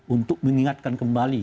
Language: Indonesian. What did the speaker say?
untuk mengingatkan kembali